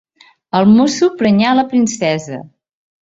El mosso prenyà la princesa.